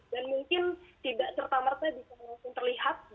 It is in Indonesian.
dan mungkin tidak serta merta bisa langsung terlihat